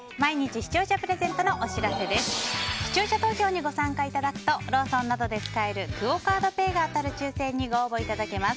視聴者投票にご参加いただくとローソンなどで使えるクオ・カードペイが当たる抽選にご応募いただけます。